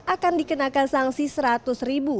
akan dikenakan sanksi seratus ribu